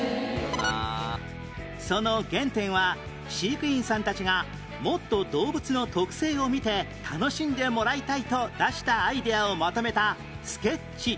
その原点は飼育員さんたちがもっと動物の特性を見て楽しんでもらいたいと出したアイデアをまとめたスケッチ